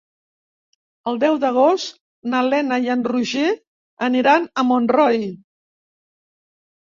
El deu d'agost na Lena i en Roger aniran a Montroi.